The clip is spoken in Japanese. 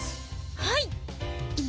はい！